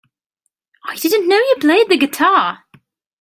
I didn't know you played the guitar!